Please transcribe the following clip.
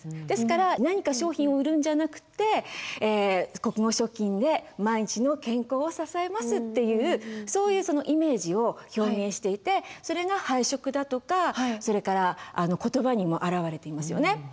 ですから何か商品を売るんじゃなくて「国語食品で毎日の健康を支えます」っていうそういうイメージを表現していてそれが配色だとかそれから言葉にも表れていますよね。